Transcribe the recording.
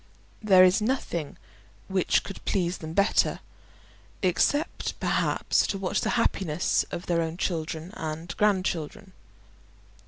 There is nothing which could please them better, except perhaps to watch the happiness of their own children and grandchildren.